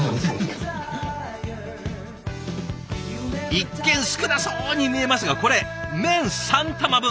一見少なそうに見えますがこれ麺３玉分。